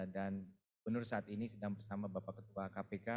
dan gubernur saat ini sedang bersama bapak ketua kpk